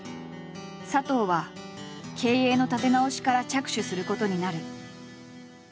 佐藤は経営の立て直しから着手することになる。